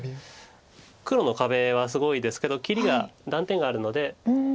黒の壁はすごいですけど切りが断点があるので。